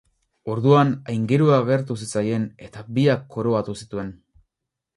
Orduan, aingerua agertu zitzaien eta biak koroatu zituen.